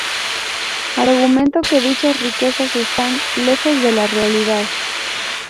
Argumentó que dichas riquezas están "lejos de la realidad".